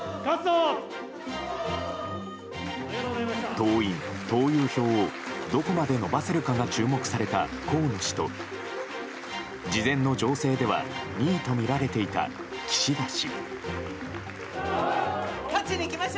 党員・党友票をどこまで伸ばせるかが注目された河野氏と事前の情勢では２位とみられていた岸田氏。